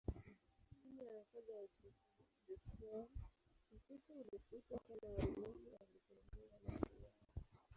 Chini ya nasaba ya Joseon, Ukristo ulifutwa, tena waamini walidhulumiwa na kuuawa.